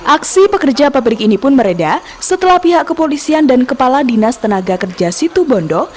aksi pekerja pabrik ini pun mereda setelah pihak kepolisian dan kepala dinas tenaga kerja situbondo